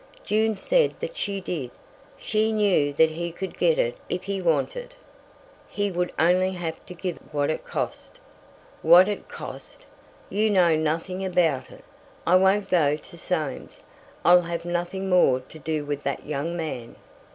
June said that she did. She knew that he could get it if he wanted. He would only have to give what it cost. "What it cost! You know nothing about it. I won't go to Soames—I'll have nothing more to do with that young man."